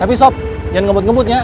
tapi sob jangan ngebut ngebutnya